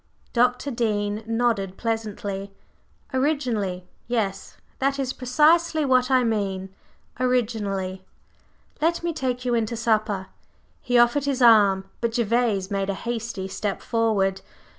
Dr. Dean nodded pleasantly. "Originally, yes. That is precisely what I mean originally! Let me take you in to supper." He offered his arm, but Gervase made a hasty step forward.